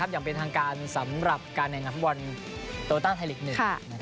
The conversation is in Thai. ยังเป็นทางการสำหรับการแนะนำวันโตรว์ตั้งไทยฤทธิ์๑